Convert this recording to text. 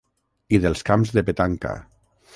I dels camps de petanca.